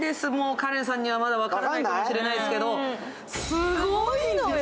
花恋さんにはまだ分からないかもしれないけど、すごいのよ。